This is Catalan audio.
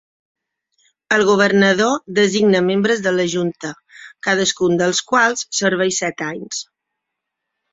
El governador designa membres de la Junta, cadascun dels quals serveix set anys.